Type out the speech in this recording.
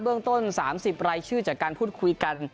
เรื่องต้น๓๐รายชื่อจากการพูดคุยกัน